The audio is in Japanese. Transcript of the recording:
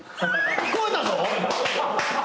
聞こえたぞ！？